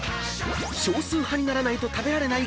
［少数派にならないと食べられない